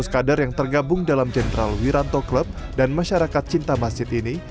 seratus kader yang tergabung dalam jenderal wiranto club dan masyarakat cinta masjid ini